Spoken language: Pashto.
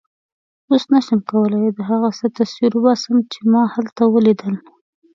اوس نه شم کولای د هغه څه تصویر وباسم چې ما هلته ولیدل.